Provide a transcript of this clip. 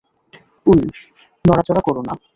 Will, নড়াচড়া কোরো না।